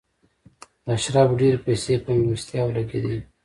د اشرافو ډېرې پیسې په مېلمستیاوو لګېدې.